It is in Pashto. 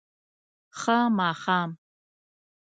ښه ماښام